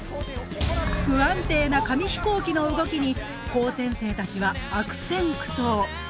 不安定な紙飛行機の動きに高専生たちは悪戦苦闘。